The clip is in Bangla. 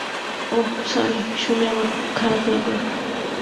ওহ সরি, শুনে আমার খুব খারাপ লাগলো।